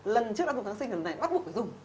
lần trước đã dùng kháng sinh lần này bắt buộc phải dùng